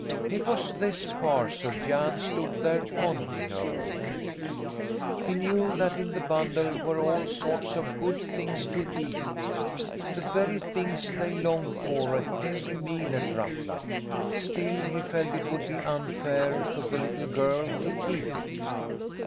It was this parcel Jan stood there pondering over. He knew that in the bundle were all sorts of good things to eat, the very things they longed for at every meal at Ruffluck, still he felt it would be unfair to the little girl to keep it.